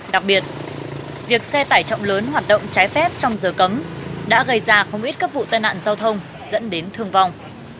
đặc biệt việc xe tải trọng lớn hoạt động trái phép trong giờ cấm đã gây ra không ít các vụ tai nạn giao thông dẫn đến thương vong